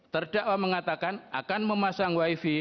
terdakwa mengatakan akan memasang wifi